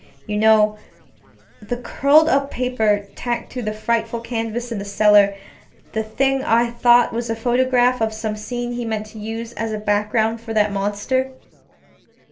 You know, the curled up paper tacked to that frightful canvas in the cellar; the thing I thought was a photograph of some scene he meant to use as a background for that monster.